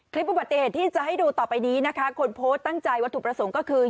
อุบัติเหตุที่จะให้ดูต่อไปนี้นะคะคนโพสต์ตั้งใจวัตถุประสงค์ก็คือ